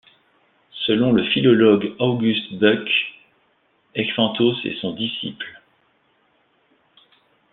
Selon le philologue August Böckh, Ecphantos est son disciple.